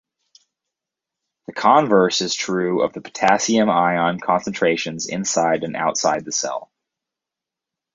The converse is true of the potassium ion concentrations inside and outside the cell.